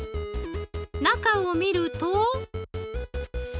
中を見ると。